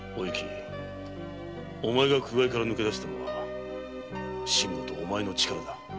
お前が苦界から抜け出せたのは信吾とお前の力だ。